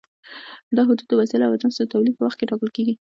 دا حدود د وسایلو او اجناسو د تولید په وخت کې ټاکل کېږي.